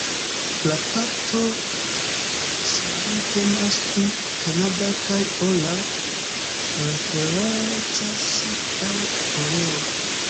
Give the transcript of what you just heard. La parto "Can" temas pri Canada kaj "ola" referencas al oleo.